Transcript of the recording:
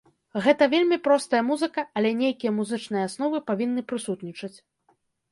Гэта вельмі простая музыка, але нейкія музычныя асновы павінны прысутнічаць.